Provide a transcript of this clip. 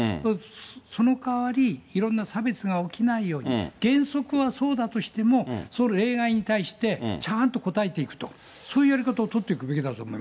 その代わり、いろんな差別が起きないように、原則はそうだとしても、その例外に対して、ちゃんと応えていくと、そういうやり方を取っていくべきだと思い